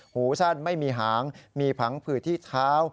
หูสั้นไม่มีหางมีผังผืดที่เท้า